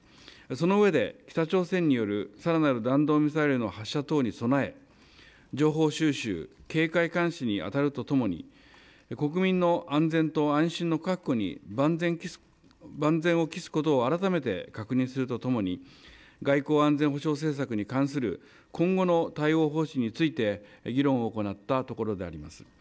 その上で、北朝鮮によるさらなる弾道ミサイルの発射等に備え、情報収集、警戒監視に当たるとともに、国民の安全と安心の確保に万全を期すことを改めて確認するとともに、外交・安全保障政策に関する今後の対応方針について、議論を行ったところであります。